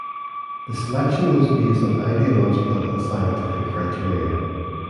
The selection was based on ideological and scientific criteria.